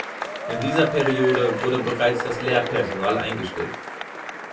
In dieser Periode wurde bereits das Lehrpersonal eingestellt.